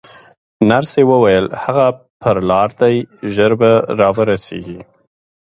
نرسې وویل: هغه پر لار دی، ژر به راورسېږي.